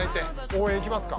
応援行きますか？